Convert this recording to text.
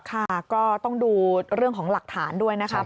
ค่ะก็ต้องดูเรื่องของหลักฐานด้วยนะครับ